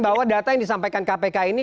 bahwa data yang disampaikan kpk ini